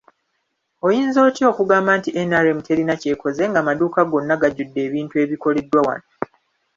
Oyinza otya okugamba nti NRM terina kyekoze ng'amaduuka gonna gajjudde ebintu ebikoleddwa wano.